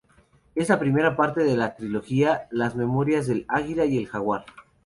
Es la primera parte de la trilogía Las memorias del Águila y el Jaguar.